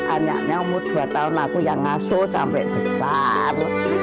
anaknya umur dua tahun aku yang ngasuh sampai besar